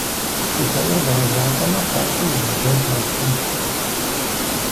Си лъэӀур бгъэзащӀэмэ фалъэ из гуэдз уэстынщ!